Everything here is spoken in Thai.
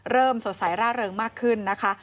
เริ่มสวสัยร่าเริงมากขึ้นนะคะ